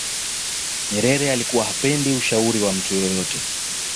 nyerere alikuwa hapendi ushauri wa mtu yeyote